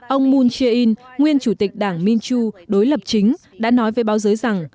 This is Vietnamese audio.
ông moon jae in nguyên chủ tịch đảng minchu đối lập chính đã nói với báo giới rằng